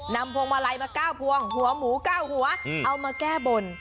นำพวงมาลัยมาก้าวพวงหัวหมูก้าวหัวเอามาแก้บ่น